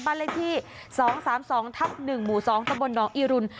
บ้านเลขที่๒๓๒ทับ๑หมู่๒ตะบลหนองอีรุน